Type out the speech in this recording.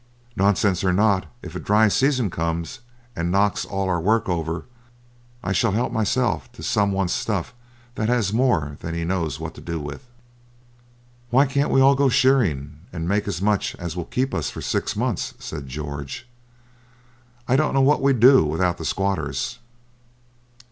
'Nonsense or not, if a dry season comes and knocks all our work over, I shall help myself to some one's stuff that has more than he knows what to do with.' 'Why can't we all go shearing, and make as much as will keep us for six months?' said George. 'I don't know what we'd do without the squatters.'